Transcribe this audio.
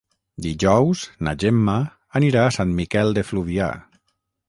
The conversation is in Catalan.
Dijous na Gemma anirà a Sant Miquel de Fluvià.